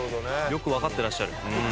よくわかってらっしゃる。